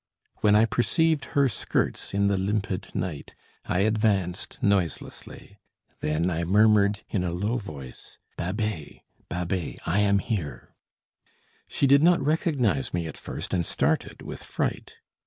"When I perceived her skirts in the limpid night, I advanced noiselessly. Then I murmured in a low voice: "Babet, Babet, I am here." She did not recognise me, at first, and started with fright.